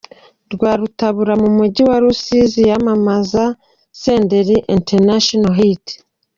Rwarutabura mu mujyi wa Rusizi yamamaza Senderi International Hit.